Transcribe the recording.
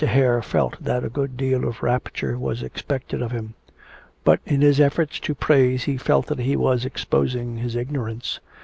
Hare felt that a good deal of rapture was expected of him; but in his efforts to praise he felt that he was exposing his ignorance.